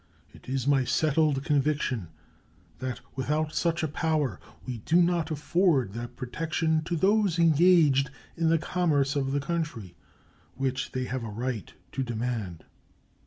It is my settled conviction that without such a power we do not afford that protection to those engaged in the commerce of the country which they have a right to demand.